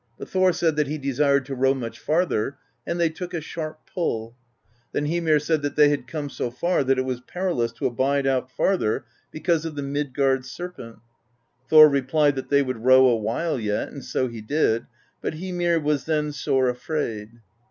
But Thor said that he desired to row much farther, and they took a sharp pull; then Hymir said that they had come so far that it was perilous to abide out farther because of the Midgard Serpent. Thor replied that they would row a while yet, and so he did; but Hymir was then sore afraid.